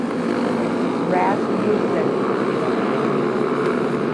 Rasmussen.